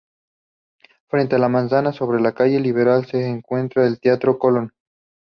Frente a la manzana, sobre la calle Libertad, se encuentra el Teatro Colón.